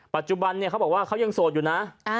ปัจจุบันเขาบอกว่าเขายังโสดอยู่นะ